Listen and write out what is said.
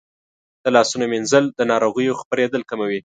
د لاسونو مینځل د ناروغیو خپرېدل کموي.